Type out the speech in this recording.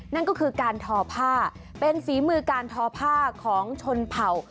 นั่นก็คือการทอผ้าเป็นฝีมือการทอผ้าของชนเผ่า